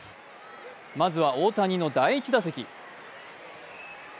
まずは大谷の第１打席。